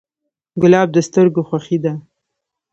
ګلاب د سترګو خوښي ده.